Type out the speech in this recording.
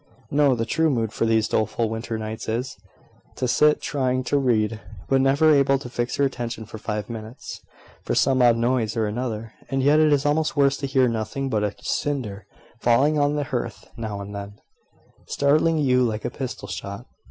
"No: the true mood for these doleful winter nights is, to sit trying to read, but never able to fix your attention for five minutes, for some odd noise or another. And yet it is almost worse to hear nothing but a cinder falling on the hearth now and then, startling you like a pistol shot.